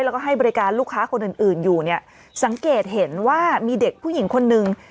แล้วก็ให้บริการลูกค้าคนอื่นอื่นอยู่เนี่ยสังเกตเห็นว่ามีเด็กผู้หญิงคนนึง